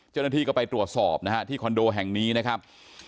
เจ้าหน้าที่ก็ไปตรวจสอบนะฮะที่คอนโดแห่งนี้นะครับ